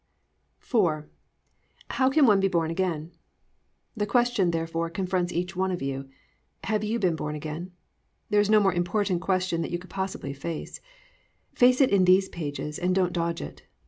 "+ IV. HOW CAN ONE BE BORN AGAIN? The question, therefore, confronts each one of you, Have you been born again? There is no more important question that you could possibly face. Face it in these pages and don't dodge it.